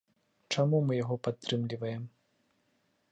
Чаму мы яго падтрымліваем?